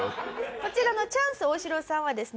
こちらのチャンス大城さんはですね